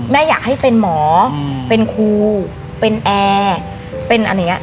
แม่อยากให้เป็นหมอเป็นครูเป็นแอร์เป็นอันนี้